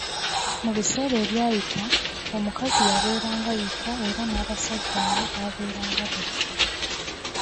Mu biseera ebyayita, omukazi yabeeranga yekka era n'abasajja nabo baabeeranga bokka